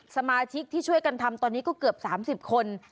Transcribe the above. สมาชิกที่ช่วยกันทำตอนนี้ก็เกือบ๓๐คน